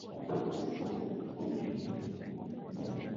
派克维尔是一个位于美国阿拉巴马州杰克逊县的非建制地区。